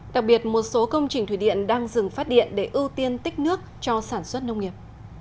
đặc biệt một số công trình thủy điện đang dừng phát điện để ưu tiên tích nước cho sản xuất nông nghiệp